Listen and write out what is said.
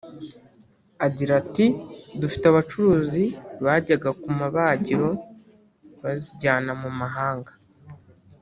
Agira ati “Dufite abacuruzi bajyaga ku mabagiro bazijyana mu mahanga